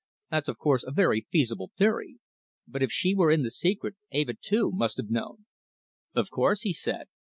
"That's, of course, a very feasible theory. But if she were in the secret, Eva, too, must have known." "Of course," he said.